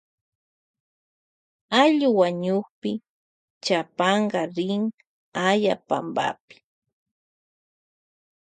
Ayllu wañukpi chapanka rin aya panpapi.